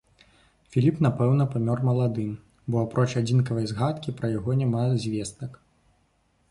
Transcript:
Філіп, напэўна, памёр маладым, бо апроч адзінкавай згадкі пра яго няма звестак.